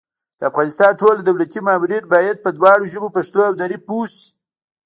د افغانستان ټول دولتي مامورین بايد په دواړو ژبو پښتو او دري پوه شي